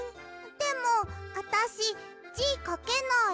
でもあたしじかけない。